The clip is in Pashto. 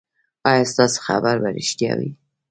ایا ستاسو خبر به ریښتیا وي؟